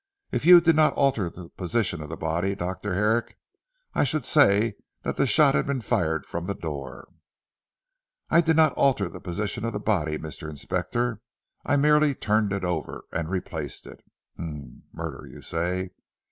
If you did not alter the position of the body Dr. Herrick, I should say that the shot had been fired from the door." "I did not alter the position of the body Mr. Inspector. I merely turned it over, and replaced it. H'm! murder you say.